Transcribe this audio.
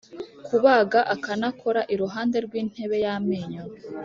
Kubaga akanakora iruhande rw intebe y amenyo